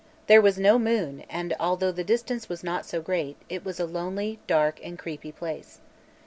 There was no moon and although the distance was not great it was a lonely, dark and "creepy" place.